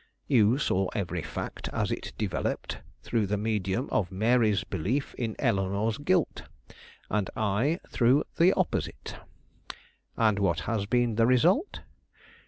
You saw every fact as it developed through the medium of Mary's belief in Eleanore's guilt, and I through the opposite. And what has been the result?